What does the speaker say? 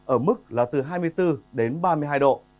ở mức là từ hai mươi bốn đến ba mươi hai độ